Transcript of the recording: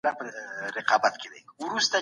وساتي پیاوړی سي